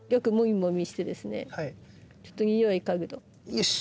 よし！